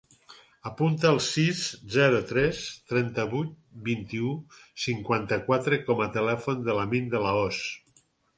Apunta el sis, zero, tres, trenta-vuit, vint-i-u, cinquanta-quatre com a telèfon de l'Amin De La Hoz.